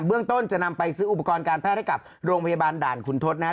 เรื่องต้นจะนำไปซื้ออุปกรณ์การแพทย์ให้กับโรงพยาบาลด่านขุนทศนะฮะ